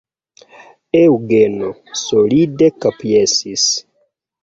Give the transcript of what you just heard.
Eŭgeno solide kapjesis.